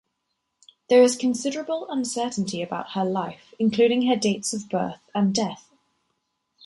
There is considerable uncertainty about her life, including her dates of birth and death.